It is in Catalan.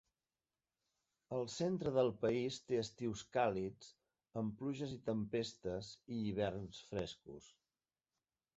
El centre del país té estius càlids amb pluges i tempestes i hiverns frescos.